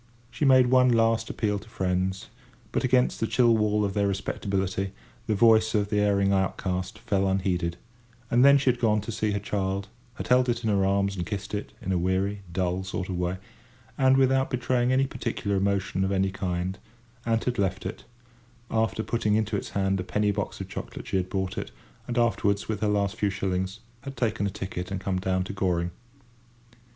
She had made one last appeal to friends, but, against the chill wall of their respectability, the voice of the erring outcast fell unheeded; and then she had gone to see her child—had held it in her arms and kissed it, in a weary, dull sort of way, and without betraying any particular emotion of any kind, and had left it, after putting into its hand a penny box of chocolate she had bought it, and afterwards, with her last few shillings, had taken a ticket and come down to Goring.